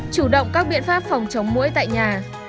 chủ động các biện pháp phòng chống mũi tại nhà